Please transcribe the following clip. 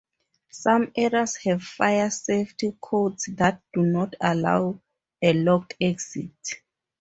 Some areas have fire safety codes that do not allow a locked exit.